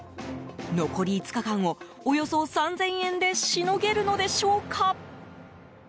残り５日間をおよそ３０００円でしのげるのでしょうか？